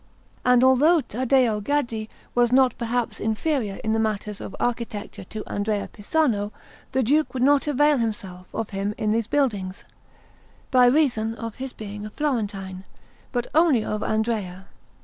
And although Taddeo Gaddi was not perhaps inferior in the matters of architecture to Andrea Pisano, the Duke would not avail himself of him in these buildings, by reason of his being a Florentine, but only of Andrea.